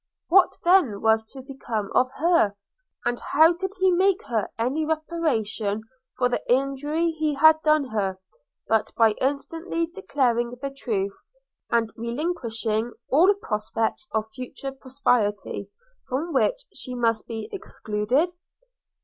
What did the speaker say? What then was to become of her? and how could he make her any reparation for the injury he had done her, but by instantly declaring the truth, and relinquishing all prospect of future prosperity, from which she must be excluded?